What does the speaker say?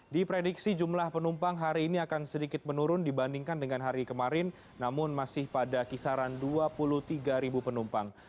diprediksi jumlah penumpang hari ini akan sedikit menurun dibandingkan dengan hari kemarin namun masih pada kisaran dua puluh tiga penumpang